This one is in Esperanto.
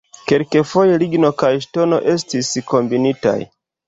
Kelkfoje ligno kaj ŝtono estis kombinitaj.